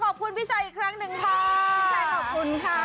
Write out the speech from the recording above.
ขอบคุณพี่ชัยอีกครั้งหนึ่งค่ะ